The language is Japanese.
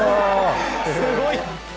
すごい！